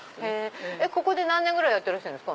ここで何年ぐらいやってるんですか？